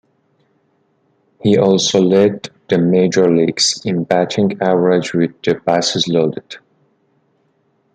He also led the Major Leagues in batting average with the bases loaded.